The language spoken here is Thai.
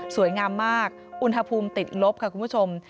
สวยงามมากอุณหภูมิติดลบค่ะคุณผู้ชม